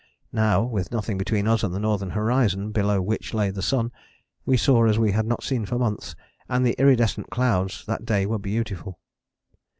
Now, with nothing between us and the northern horizon below which lay the sun, we saw as we had not seen for months, and the iridescent clouds that day were beautiful.